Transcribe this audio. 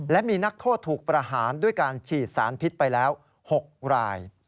และมีนักโทษถูกประหารด้วยการฉีดสารพิษไปแล้ว๖ราย